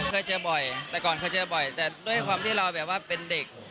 เคยเจอบ่อยแต่ก่อนเคยเจอบ่อยแต่ด้วยความที่เราแบบว่าเป็นเด็ก